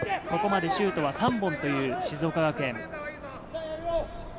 ここまでシュートは３本という静岡学園。